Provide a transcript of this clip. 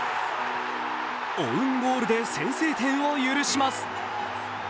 オウンゴールで先制点を許します。